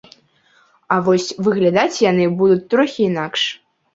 А вось выглядаць яны будуць трохі інакш.